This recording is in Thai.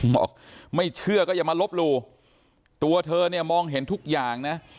บอกไม่เชื่อก็อย่ามาลบหลู่ตัวเธอเนี่ยมองเห็นทุกอย่างนะ